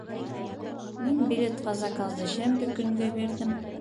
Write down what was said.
Мин билетҡа заказды шәмбе көнгә бирҙем